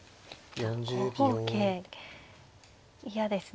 ５五桂嫌ですね